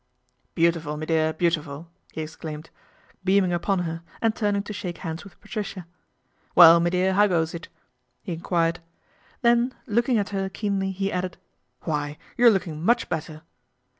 " Beautiful, me dear, beautiful," he exclaimed, earning upon her and turning to shake hands nth Patricia. " Well, me dear, how goes it ?" ie enquired. Then looking at her keenly he added, Why, you're looking much better."